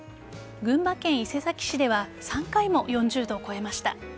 群馬県伊勢崎市では３回も４０度を超えました。